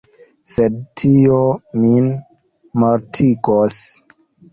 Sed tio min mortigos.